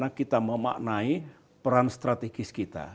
bagaimana kita memaknai peran strategis kita